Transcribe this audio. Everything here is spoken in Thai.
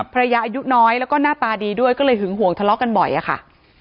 อายุน้อยแล้วก็หน้าตาดีด้วยก็เลยหึงห่วงทะเลาะกันบ่อยอะค่ะ